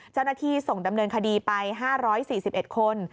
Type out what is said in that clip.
เจ้าหน้าที่ส่งดำเนินคดีไป๕๔๑คน